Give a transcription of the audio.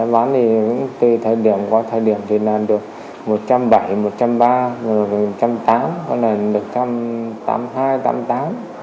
bán thì từ thời điểm qua thời điểm thì làm được một trăm bảy mươi một trăm ba mươi một trăm tám mươi còn là một trăm tám mươi hai một trăm tám mươi tám